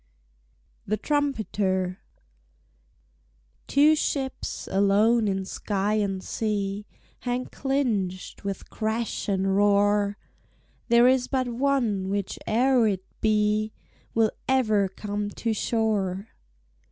THE TRUMPETER Two ships, alone in sky and sea, Hang clinched, with crash and roar; There is but one whiche'er it be Will ever come to shore.